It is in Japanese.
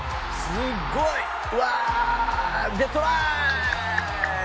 すごい！うわ！でトライ！